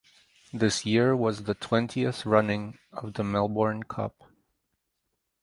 This year was the twentieth running of the Melbourne Cup.